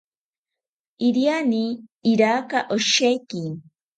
iriani iraka osheki